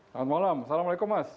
selamat malam assalamualaikum mas